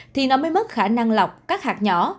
thì nó mới mất khả năng lọc các hạt nhỏ